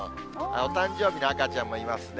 お誕生日の赤ちゃんもいますね。